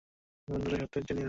বন্ধুরা, সত্য এর চেয়েও নির্মম।